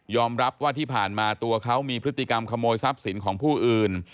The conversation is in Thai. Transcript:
รับว่าที่ผ่านมาตัวเขามีพฤติกรรมขโมยทรัพย์สินของผู้อื่น